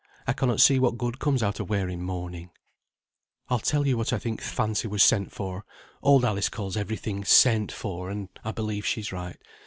I cannot see what good comes out o' wearing mourning." [Footnote 8: "Shut," quit.] "I'll tell you what I think th' fancy was sent for (Old Alice calls every thing 'sent for,' and I believe she's right).